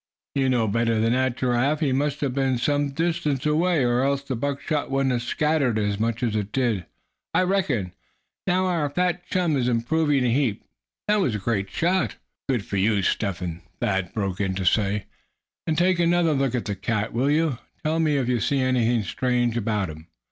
"You know better'n that, Giraffe. He must have been some distance away, or else the buckshot wouldn't have scattered as much as it did. I reckon, now, our fat chum is improving a heap. That was a great shot." "Good for you, Step Hen," Thad broke in to say. "And take another look at the cat, will you? Tell me if you see anything strange about him?